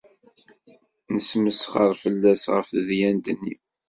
Nesmesxer fell-as ɣef tedyant-nni.